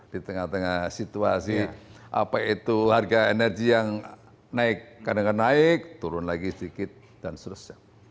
di tengah tengah situasi apa itu harga energi yang naik kadang kadang naik turun lagi sedikit dan seterusnya